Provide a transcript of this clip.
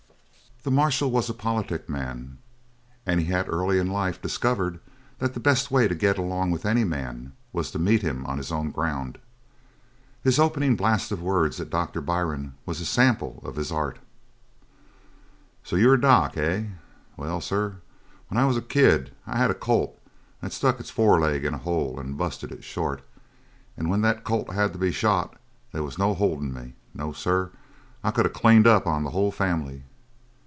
The marshal was a politic man, and he had early in life discovered that the best way to get along with any man was to meet him on his own ground. His opening blast of words at Doctor Byrne was a sample of his art. "So you're a doc, hey? Well, sir, when I was a kid I had a colt that stuck its foreleg in a hole and busted it short and when that colt had to be shot they wasn't no holdin' me. No, sir, I could of cleaned up on the whole family.